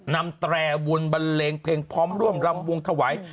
แตรบุญบันเลงเพลงพร้อมร่วมรำวงถวาย